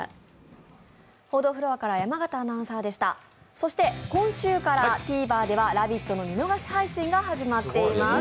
そして今週からＴＶｅｒでは「ラヴィット！」の見逃し配信が始まっています。